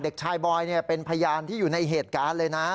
เด็กชายบอยเป็นพยานที่อยู่ในเหตุการณ์เลยนะ